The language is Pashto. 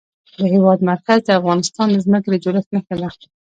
د هېواد مرکز د افغانستان د ځمکې د جوړښت نښه ده.